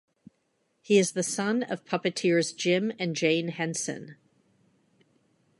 He is the son of puppeteers Jim and Jane Henson.